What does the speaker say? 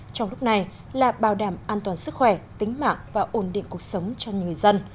trong lúc này là bảo đảm an toàn sức khỏe tính mạng và ổn định cuộc sống cho người dân